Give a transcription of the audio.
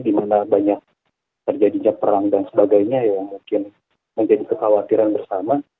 di mana banyak terjadinya perang dan sebagainya yang mungkin menjadi kekhawatiran bersama